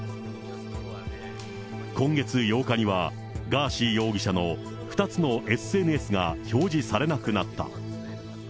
今月８日には、ガーシー容疑者の、２つのＳＮＳが表示されなくなった。